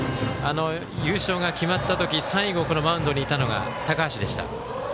優勝が決まった時最後、マウンドにいたのが高橋でした。